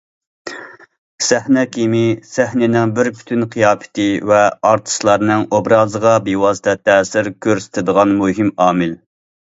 سەھنە كىيىمى سەھنىنىڭ بىر پۈتۈن قىياپىتى ۋە ئارتىسلارنىڭ ئوبرازىغا بىۋاسىتە تەسىر كۆرسىتىدىغان مۇھىم ئامىل.